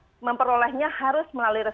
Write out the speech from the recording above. serta memperolehnya harus melalui kursus